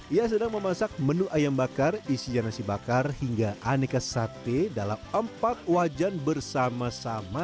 ia sedang memasak menu ayam bakar isian nasi bakar hingga aneka sate dalam empat wajan bersama sama